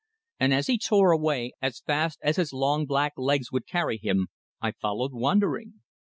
and as he tore away as fast as his long black legs would carry him, I followed wondering.